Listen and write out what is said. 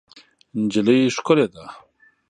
نجلۍ ښکلې ده.